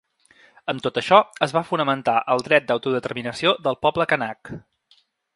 Amb tot això es va fonamentar el dret d’autodeterminació del poble canac.